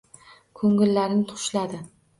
Ko‘ngillarin hushladi.